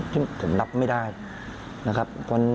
ซึ่งผมรับไม่ได้นะครับ